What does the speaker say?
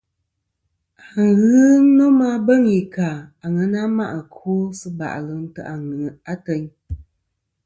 Aghɨ nomɨ a beŋ i ka àŋena ma' ɨkwo sɨ bà'lɨ ntè' ateyn.